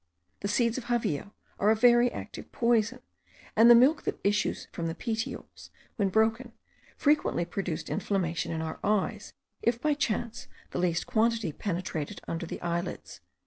The seeds of javillo are a very active poison, and the milk that issues from the petioles, when broken, frequently produced inflammation in our eyes, if by chance the least quantity penetrated under the eyelids.)